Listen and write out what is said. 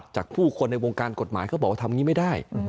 จากผู้คนในวงการกฎหมายเขาบอกว่าทำอย่างนี้ไม่ได้